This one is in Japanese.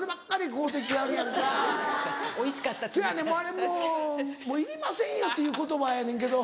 もう「もういりませんよ」っていう言葉やねんけど。